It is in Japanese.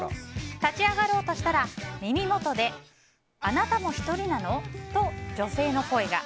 立ち上がろうとしたら、耳元であなたも１人なの？と女性の声が。